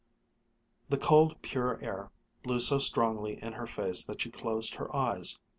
The cold, pure air blew so strongly in her face that she closed her eyes.